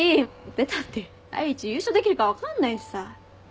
出たって第一優勝できるか分かんないしさ。